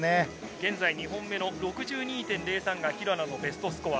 現在２本目の６２．０３が平野のベストスコア。